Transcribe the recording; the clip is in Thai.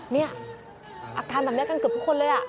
เนี่ยอาการแบบนี้กันเกือบทุกคนเลย